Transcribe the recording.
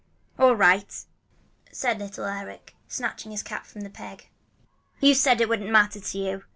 "All right," said little Eric, snatching his cap from its peg. "You said it wouldn't matter to you.